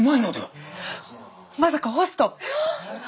まさかホスト！？